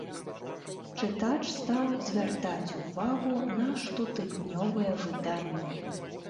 Чытач стаў звяртаць увагу на штотыднёвыя выданні!